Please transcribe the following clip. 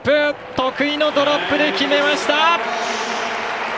得意のドロップで決めました！